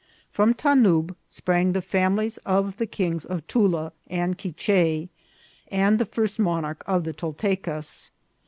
From Tanub sprang the families of the kings of Tula and Quiche, and the first monarch of the Toltecas.